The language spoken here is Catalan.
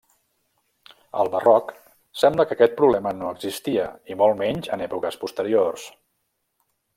Al Barroc sembla que aquest problema no existia i molt menys en èpoques posteriors.